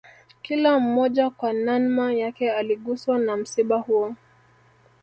Kila mmoja kwa nanma yake aliguswa na msiba huo